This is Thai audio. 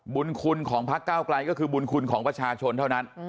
บุญคุณของพักเก้าไกลก็คือบุญคุณของประชาชนเท่านั้น